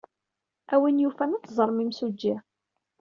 A win yufan, ad teẓrem imsujji.